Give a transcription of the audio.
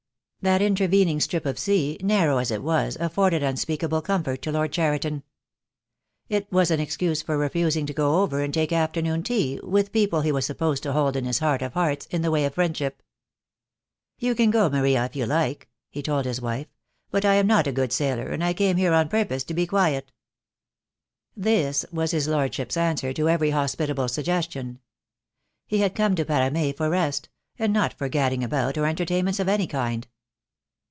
That intervening strip of sea, narrow as it was afforded unspeakable comfort to Lord Cheriton. It was an excuse for refusing to go over and take afternoon tea with The Day will co/ne. I. J 98 THE DAY WILL COME. people he was supposed to hold in his heart of hearts in the way of friendship. "You can go, Maria, if you like," he told his wife; "but I am not a good sailor, and I came here on pur pose to be quiet." This was his Lordship's answer to every hospitable suggestion. He had come to Parame for rest; and not for gadding about, or entertainments of any kind.